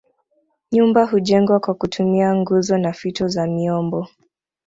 Nyumba hujengwa kwa kutumia nguzo na fito za miombo